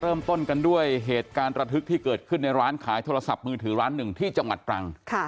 เริ่มต้นกันด้วยเหตุการณ์ระทึกที่เกิดขึ้นในร้านขายโทรศัพท์มือถือร้านหนึ่งที่จังหวัดตรัง